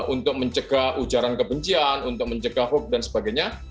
untuk mencegah ujaran kebencian untuk mencegah hoax dan sebagainya